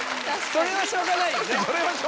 それはしょうがない。